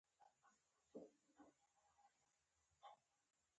د لاهور په لاره زړه نه تنګېږي.